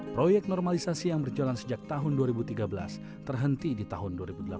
proyek normalisasi yang berjalan sejak tahun dua ribu tiga belas terhenti di tahun dua ribu delapan belas